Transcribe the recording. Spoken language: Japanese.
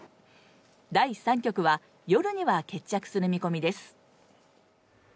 第３局は夜には決着する見込みです